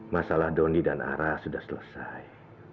masalah doni dan ara sudah selesai